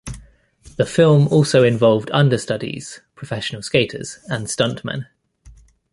The film also involved understudies (professional skaters) and stuntmen.